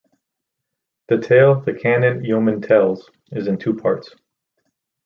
The tale the Canon's Yeoman tells is in two parts.